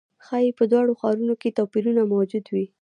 ښايي په دواړو ښارونو کې توپیرونه موجود وي.